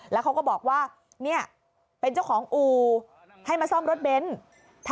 แล้วเขาก็บอกว่าเนี่ยเป็นเจ้าของอู่ให้มาซ่อมรถเบนท์